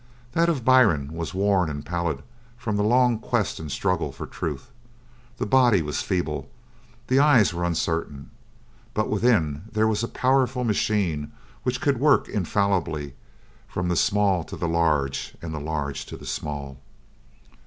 That of Byrne was worn and pallied from the long quest and struggle for truth; the body was feeble; the eyes were uncertain; but within there was a powerful machine which could work infallibly from the small to the large and the large to the small.